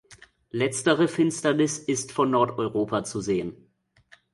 Letztere Finsternis ist von Nordeuropa zu sehen.